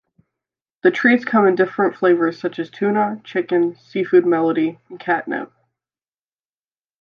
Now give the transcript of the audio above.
The treats come in different flavors such as Tuna, Chicken, Seafood Medley, and Catnip.